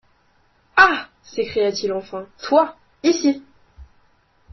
Ah! s’écria-t-il enfin, toi ! ici !